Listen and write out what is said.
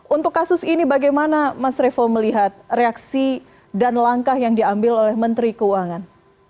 untuk kasus ini bagaimana mas revo melihat reaksi dan langkah yang diambil oleh menteri keuangan